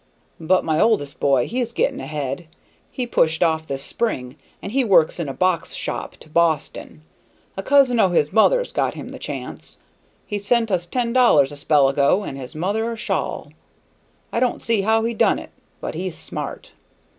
But my oldest boy, he's getting ahead. He pushed off this spring, and he works in a box shop to Boston; a cousin o' his mother's got him the chance. He sent me ten dollars a spell ago and his mother a shawl. I don't see how he done it, but he's smart!"